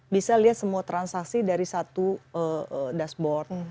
bisa lihat semua transaksi dari satu dashboard